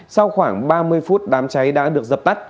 sau khoảng ba mươi phút đám cháy đã được dập tắt